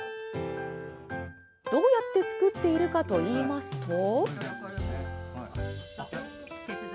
どうやって作っているかといいますと。